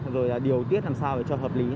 rồi là điều tiết làm sao để cho hợp lý